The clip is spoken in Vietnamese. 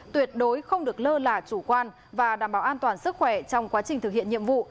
tuyệt đối không được lơ là chủ quan và đảm bảo an toàn sức khỏe trong quá trình thực hiện nhiệm vụ